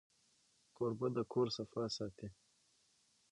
کوربه د کور صفا ساتي.